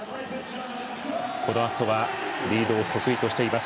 このあとはリードを得意としています